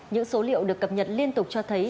những số liệu được cập nhật liên tục cho thấy